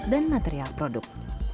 dan material produk